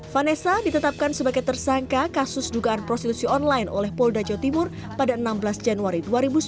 vanessa ditetapkan sebagai tersangka kasus dugaan prostitusi online oleh polda jawa timur pada enam belas januari dua ribu sembilan belas